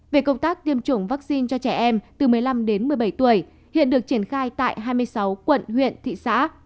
về công tác tiêm chủng vaccine cho trẻ em từ một mươi năm đến một mươi bảy tuổi hiện được triển khai tại hai mươi sáu quận huyện thị xã